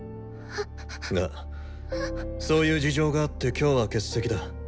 がそういう事情があって今日は欠席だ。